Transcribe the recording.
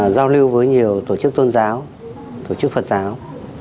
giao lưu với nhiều tổ chức tôn giáo tổ chức phật giáo